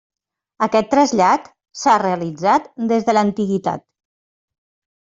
Aquest trasllat s'ha realitzat des de l'antiguitat.